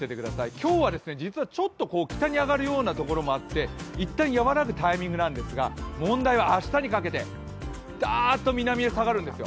今日は実はちょっと北に上がるようなところもあって、いったん和らぐタイミングなんですが、問題は明日にかけてだーっと南へ下がるんですよ。